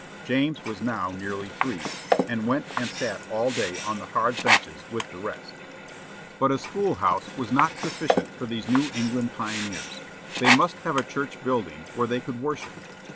James was now nearly three, and went and sat all day on the hard benches with the rest. But a school house was not sufficient for these New England pioneers; they must have a church building where they could worship.